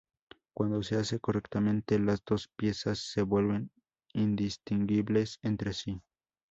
Cuando se hace correctamente, las dos piezas se vuelven indistinguibles entre sí.